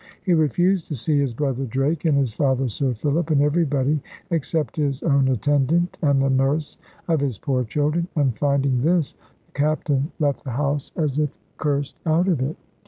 He refused to see his brother Drake, and his father Sir Philip, and everybody, except his own attendant, and the nurse of his poor children. And finding this, the Captain left the house, as if cursed out of it.